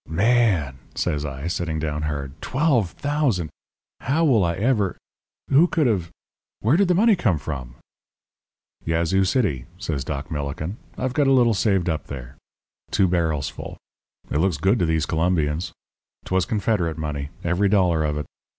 "'Man!' says I, sitting down hard 'twelve thousand how will I ever who could have where did the money come from?' "'Yazoo City,' says Doc Millikin: 'I've got a little saved up there. Two barrels full. It looks good to these Colombians. 'Twas Confederate money, every dollar of it.